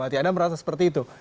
anda merasa seperti itu